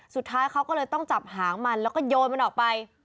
สุดท้ายเขาก็เลยต้องจับหางมันแล้วก็โยนมันออกไป